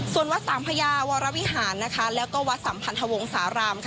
ส่วนวัดสามพญาวรวิหารแล้วก็วัดสัมพันธวงศาลาม